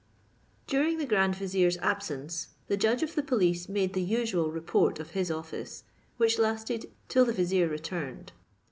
During the grand vizier's absence, the judge of the police made the usual report of his office, which lasted till the vizier returned.